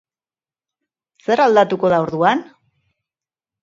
Zer aldatuko da orduan?